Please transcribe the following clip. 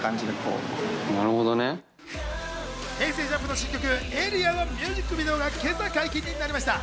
ＪＵＭＰの新曲『ａｒｅａ』のミュージックビデオが今朝解禁になりました。